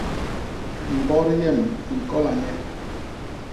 Mbot yem i ñkola nye.